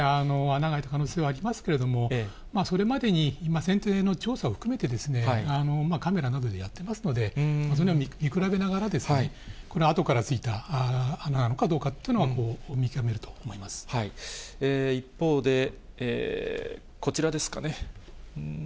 穴が開いた可能性はありますけれども、それまでに船底の調査を含めてカメラなどでやってますので、それを見比べながら、これはあとからついた穴なのかどうかというのを見極めると思いま一方で、こちらですかね。